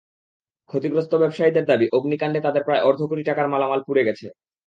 ক্ষতিগ্রস্ত ব্যবসায়ীদের দাবি, অগ্নিকাণ্ডে তাঁদের প্রায় অর্ধ কোটি টাকার মালামাল পুড়ে গেছে।